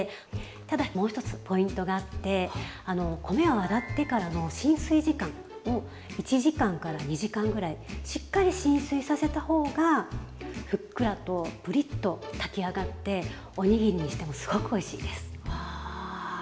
ただ、もう１つポイントがあって米を洗ってからの浸水時間を１時間から２時間ぐらいしっかり浸水させた方がふっくらとプリッと炊き上がっておにぎりにしてもすごくおいしいです。